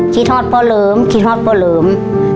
คีย์โทรพ่อเริำ